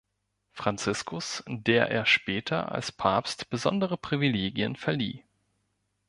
Franziskus, der er später als Papst besondere Privilegien verlieh.